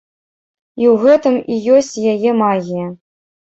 І ў гэтым і ёсць яе магія.